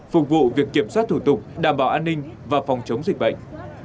phục vụ việc kiểm soát thủ tục đảm bảo an ninh và phòng chống dịch bệnh